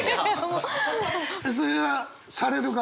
それはされる側？